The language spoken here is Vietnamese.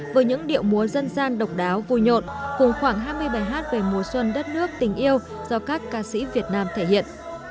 với những điệu múa dân gian độc đáo vui nhộn cùng khoảng hai mươi bài hát về mùa xuân đất nước tình yêu do các ca sĩ việt nam thể hiện